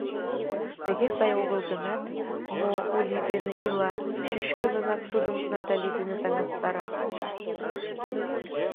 Тыге сай огыл гынат, мо Ули дене ила, чӱчкыдынак тудым Натали дене таҥастара.